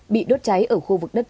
bị đốt cháy ở khu vực đất nước